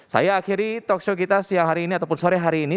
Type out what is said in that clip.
saya akhiri talk show kita siang hari ini ataupun sore hari ini